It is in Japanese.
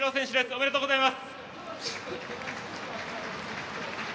おめでとうございます。